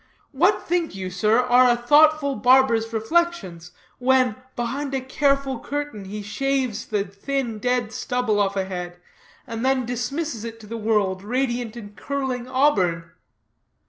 What think you, sir, are a thoughtful barber's reflections, when, behind a careful curtain, he shaves the thin, dead stubble off a head, and then dismisses it to the world, radiant in curling auburn?